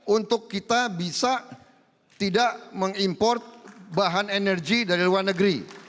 untuk kita bisa tidak mengimport bahan energi dari luar negeri